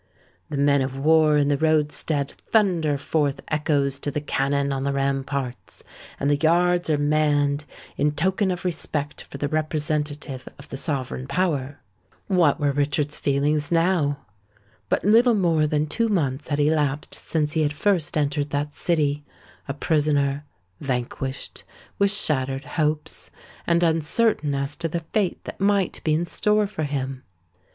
The men of war in the roadstead thunder forth echoes to the cannon on the ramparts; and the yards are manned in token of respect for the representative of the sovereign power. What were Richard's feelings now? But little more than two months had elapsed since he had first entered that city, a prisoner—vanquished—with shattered hopes—and uncertain as to the fate that might be in store for him.